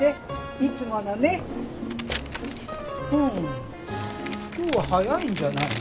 いつものねうん今日は早いんじゃないの？